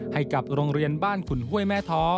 ให้กับโรงเรียนบ้านขุนห้วยแม่ท้อ